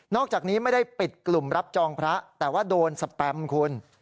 อกจากนี้ไม่ได้ปิดกลุ่มรับจองพระแต่ว่าโดนสแปมคุณ